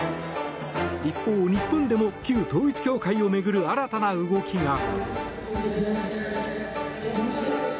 一方、日本でも旧統一教会を巡る新たな動きが。